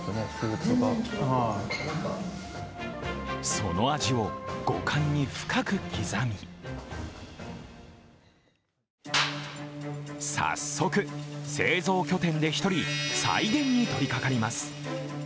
その味を五感に深く刻み早速、製造拠点で１人、再現に取りかかります。